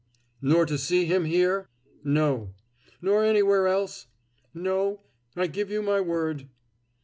"Nor to see him here?" "No." "Nor anywhere else?" "No. I give you my word."